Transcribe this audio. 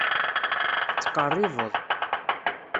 Tettqerribeḍ.